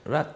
rất là tốt